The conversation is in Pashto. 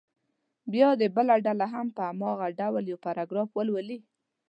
بیا دې بله ډله هم په هماغه ډول یو پاراګراف ولولي.